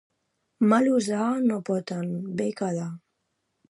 Mal usar no pot en bé quedar.